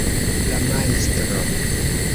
la Majstro